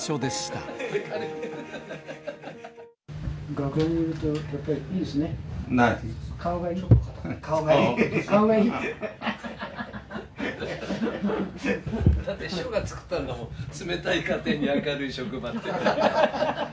だって師匠が作ったんだもん、冷たい家庭に明るい職場って。